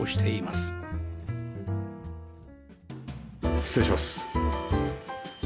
失礼します。